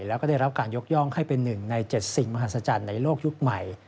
แล้วก็ได้รับการยกย่องให้เป็น๑ใน๗สิ่งมหัศจรรย์ในโลกยุคใหม่